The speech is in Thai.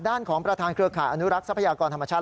ของประธานเครือข่ายอนุรักษ์ทรัพยากรธรรมชาติ